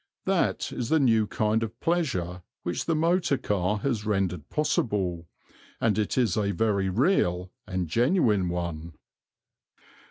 That is the new kind of pleasure which the motor car has rendered possible, and it is a very real and genuine one.